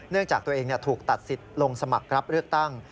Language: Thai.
เนื่องจากตัวเองถูกตัดสินลงสมัครรับเลือกตั้ง